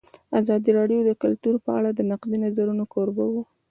ازادي راډیو د کلتور په اړه د نقدي نظرونو کوربه وه.